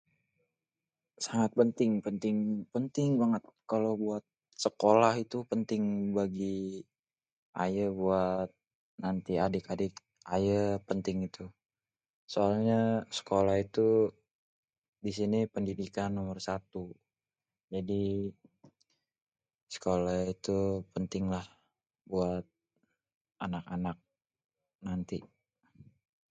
sangat penting penting penting banget kalo buat sekolah itu penting bagi ayé buat nanti adik ayé penting itu soalnyé sekoleh itu nomor satu jadi sekoleh itu penting lah buat anak-anak nanti